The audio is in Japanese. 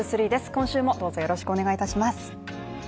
今週もよろしくお願いいたします。